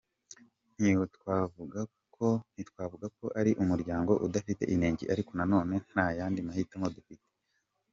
Ntitwavuga ko ari umuryango udafite inenge ariko nanone nta yandi mahitamo dufite.